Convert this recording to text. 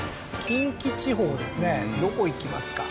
近畿地方ですねどこ行きますか？